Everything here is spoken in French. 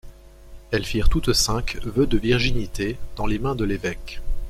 Elles firent toutes cinq vœu de virginité dans les mains de l'évêque.